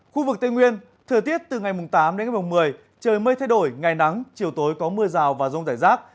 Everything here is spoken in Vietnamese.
khu vực tây nguyên thời tiết từ ngày tám đến ngày một mươi trời mây thay đổi ngày nắng chiều tối có mưa rào và rông rải rác